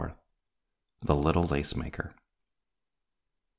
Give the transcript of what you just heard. THE LITTLE LACE MAKER.